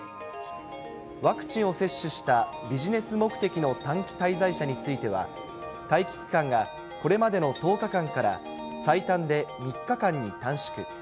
ワクチンを接種したビジネス目的の短期滞在者については、待機期間がこれまでの１０日間から最短で３日間に短縮。